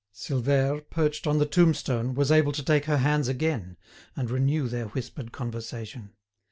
Silvère, perched on the tombstone, was able to take her hands again, and renew their whispered conversation.